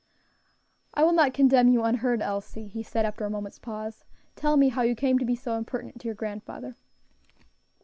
"I will not condemn you unheard, Elsie," he said after a moment's pause; "tell me how you came to be so impertinent to your grandfather."